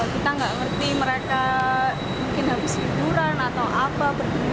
kita nggak ngerti mereka mungkin habis liburan atau apa